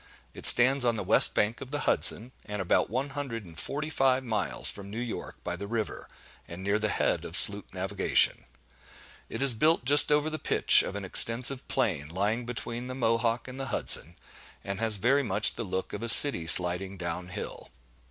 It stands on the west bank of the Hudson, and about one hundred and forty five miles from New York by the river, and near the head of sloop navigation. It is built just over the pitch of an extensive plain, lying between the Mohawk and the Hudson, and has very much the look of a city sliding down hill.